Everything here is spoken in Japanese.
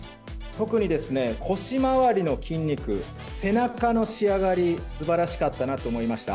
特にですね、腰回りの筋肉、背中の仕上がり、すばらしかったなと思いました。